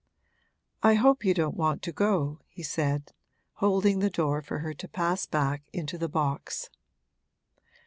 'I hope you don't want to go,' he said, holding the door for her to pass back into the box.